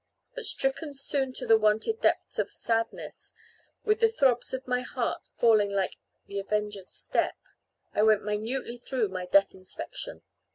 But stricken soon to the wonted depth of sadness, with the throbs of my heart falling like the avenger's step, I went minutely through my death inspection.